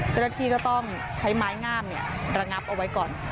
เจ้าหน้าที่ก็ต้องใช้ไม้งามระงับเอาไว้ก่อน